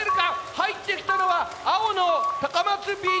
入ってきたのは青の高松Ｂチーム。